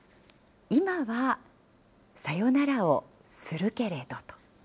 いまは、さよならを、するけれどと。